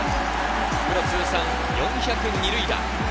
プロ通算４００二塁打。